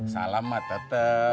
salam ma tetep